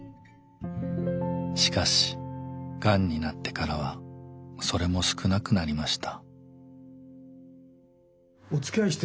しかしがんになってからはそれも少なくなりました。